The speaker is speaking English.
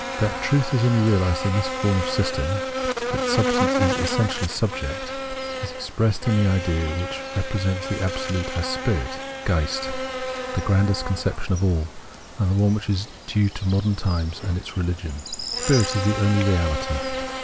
"^ That the truth is only realised in the form of system, that substance is essentially subject, is expressed in the idea which represents the Absolute as Spirit (Geist) — the grandest conception of all, and one which is due to modern times and its religion. Spirit is the only Reality.